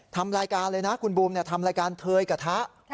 ทำรายการเลยนะคุณบูมทำรายการเทยกระทะ